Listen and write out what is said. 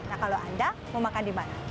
nah kalau anda mau makan dimana